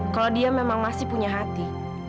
kalau dia memang masih punya hati